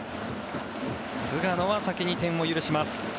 菅野は先に点を許します。